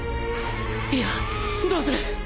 いやどうする！？